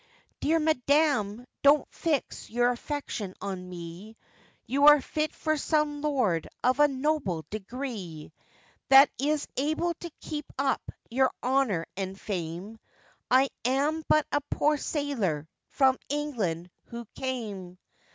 'Dear madam, don't fix your affection on me, You are fit for some lord of a noble degree, That is able to keep up your honour and fame; I am but a poor sailor, from England who came.